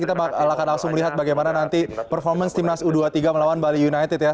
kita akan langsung melihat bagaimana nanti performance timnas u dua puluh tiga melawan bali united ya